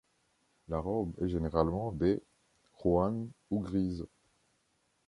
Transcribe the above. La robe est généralement baie, rouanne ou grise.